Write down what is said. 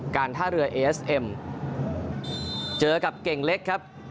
ท่าเรือเอสเอ็มเจอกับเก่งเล็กครับ